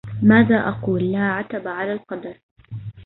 ماذا أقول ولا عتب على القدر